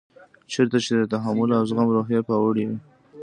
چېرته چې د تحمل او زغم روحیه پیاوړې وي.